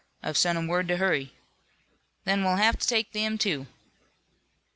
I've sent 'em word to hurry." "Then we'll have to take them, too."